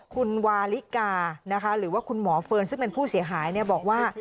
คุณวาลิกานะคะหรือว่าคุณหมอเฟิร์นซึ่งเป็นผู้เสียหายบอกว่า